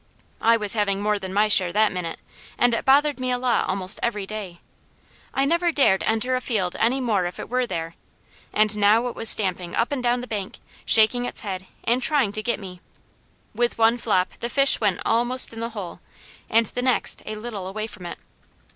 I was having more than my share that minute, and it bothered me a lot almost every day. I never dared enter a field any more if it were there, and now it was stamping up and down the bank, shaking its head, and trying to get me; with one flop the fish went ALMOST in the hole, and the next a little away from it.